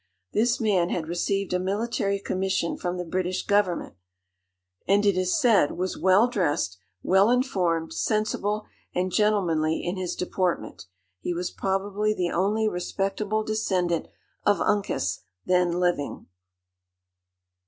This man had received a military commission from the British government; and it is said, was well dressed, well informed, sensible, and gentlemanly in his deportment. He was probably the only respectable descendant of Uncas then living.